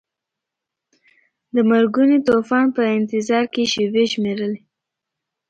د مرګوني طوفان په انتظار کې شیبې شمیرلې.